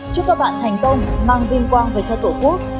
chúc các bạn thành công mang vinh quang về cho tổ quốc